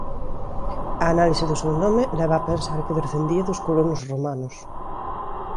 A análise do seu nome leva a pensar que descendía de colonos romanos.